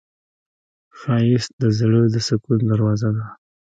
ښایست د زړه د سکون دروازه ده